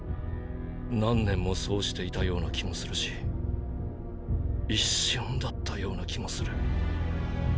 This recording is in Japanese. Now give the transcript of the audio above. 何年もそうしていたような気もするし一瞬だったような気もする。